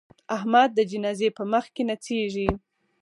احمد د جنازې په مخ کې نڅېږي.